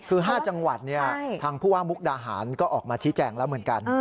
คือ๕จังหวัดทางผู้ว่ามุกดาหารก็ออกมาชี้แจงแล้วเหมือนกัน